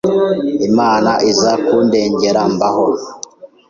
Imana iza kundengera mbaho